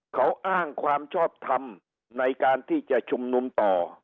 เขาอ้างความชอบทำในการที่จะชุมนุมต่อ